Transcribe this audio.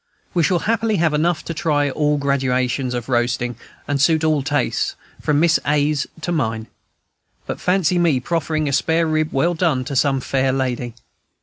We shall happily have enough to try all gradations of roasting, and suit all tastes, from Miss A.'s to mine. But fancy me proffering a spare rib, well done, to some fair lady!